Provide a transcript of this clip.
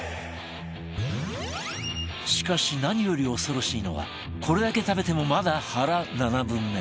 しかし何より恐ろしいのはこれだけ食べてもまだ腹７分目